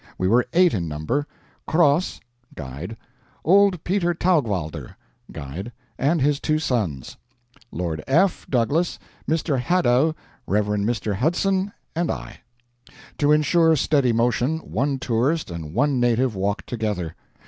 We were eight in number Croz (guide), old Peter Taugwalder (guide) and his two sons; Lord F. Douglas, Mr. Hadow, Rev. Mr. Hudson, and I. To insure steady motion, one tourist and one native walked together.